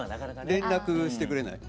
連絡してくれない。